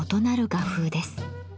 画風です。